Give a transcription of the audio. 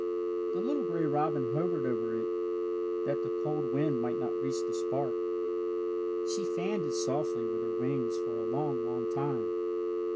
The little gray robin hovered over it that the cold wind might not reach the spark. She fanned it softly with her wings for a long, long time.